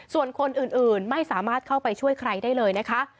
ส่วนคนอื่นไม่สามารถเข้าไปช่วยใครได้เลยนะคะ